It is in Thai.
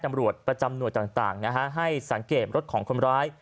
ตำรวจประจำหน่วยต่างนะฮะให้สังเกตรถของคนร้าย